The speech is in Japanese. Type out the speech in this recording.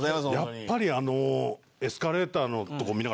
やっぱりあの。